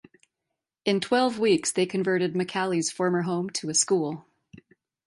In twelve weeks, they converted McCallie's former home to a school.